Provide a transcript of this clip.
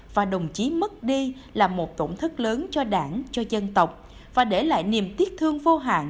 và đồng chí mất đi là một tổn thất lớn cho đảng cho dân tộc và để lại niềm tiếc thương vô hạn